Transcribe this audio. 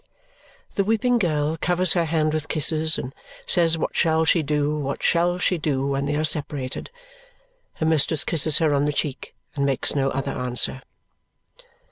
The weeping girl covers her hand with kisses and says what shall she do, what shall she do, when they are separated! Her mistress kisses her on the cheek and makes no other answer.